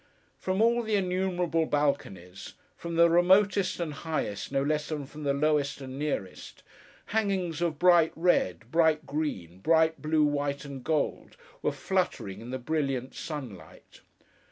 From all the innumerable balconies: from the remotest and highest, no less than from the lowest and nearest: hangings of bright red, bright green, bright blue, white and gold, were fluttering in the brilliant sunlight.